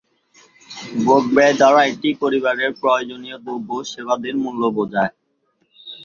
ভোগ-ব্যয় দ্বারা একটি পরিবারের প্রয়োজনীয় দ্রব্য ও সেবাদির মূল্য বোঝায়।